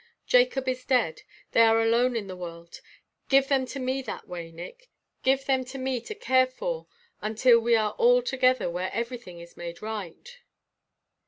Jacob is dead. They are alone in the world. Give them to me that way, Nick, give them to me to care for for you until we are all together where everything is made right."